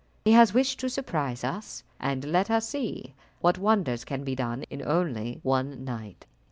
He has wished to surprise us, and let us see what wonders can be done in only one night."